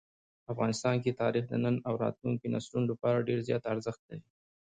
افغانستان کې تاریخ د نن او راتلونکي نسلونو لپاره ډېر زیات ارزښت لري.